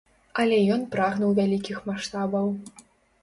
Але ён прагнуў вялікіх маштабаў.